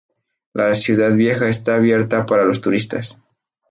La ciudad vieja está abierta para los turistas.